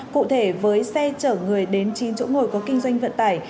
cụ thể với xe chở người đến chín chỗ ngồi có kinh doanh vận tải